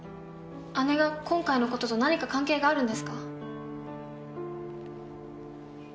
姉が今回の事と何か関係があるんですか？